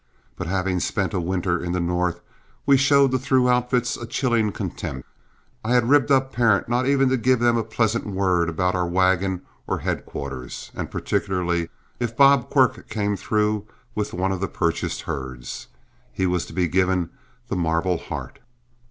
But having spent a winter in the North, we showed the through outfits a chilling contempt. I had ribbed up Parent not even to give them a pleasant word about our wagon or headquarters; and particularly if Bob Quirk came through with one of the purchased herds, he was to be given the marble heart.